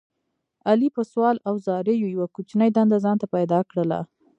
علي په سوال او زاریو یوه کوچنۍ دنده ځان ته پیدا کړله.